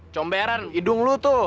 comberan idung lo tuh